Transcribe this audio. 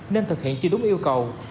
nên thực hiện chưa đúng yêu cầu